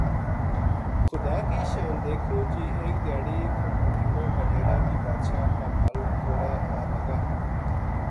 خدا کی شان دیکھوں جی ایک دھیاڑی اُنھ پٹھاناں کا ڈیرا بی بادشاہ کا محل کوڑے آلگا